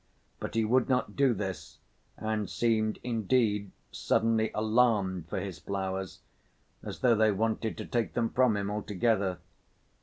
But he would not do this and seemed indeed suddenly alarmed for his flowers, as though they wanted to take them from him altogether.